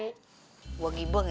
gue gibeng ya